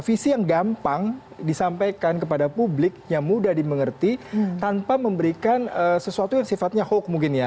visi yang gampang disampaikan kepada publik yang mudah dimengerti tanpa memberikan sesuatu yang sifatnya hoax mungkin ya